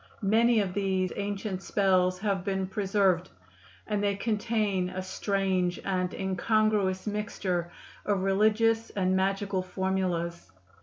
Many of these ancient spells have been preserved, and they contain a strange and incongruous mixture of religious and magical formulas.